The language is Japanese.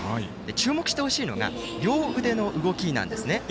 注目してほしいのが両腕の動きなんですね。